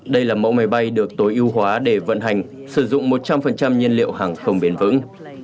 đây là mẫu máy bay được tối ưu hóa để vận hành sử dụng một trăm linh nhân liệu hàng không bền vững